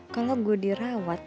kalo gue dirawat